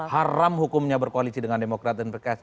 haram hukumnya berkoalisi dengan dpr